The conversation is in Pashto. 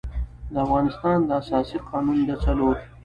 د افغانستان د اساسي قـانون د څلور